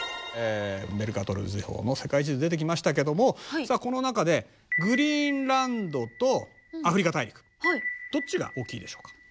メルカトル図法の世界地図出てきましたけどもさあこの中でグリーンランドとアフリカ大陸どっちが大きいでしょうか？